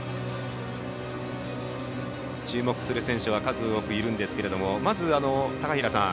注目する選手は数多くいるんですがまず、高平さん